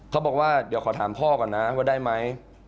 เขาบอกว่าเดี๋ยวขอถามพ่อก่อนนะว่าได้ไหม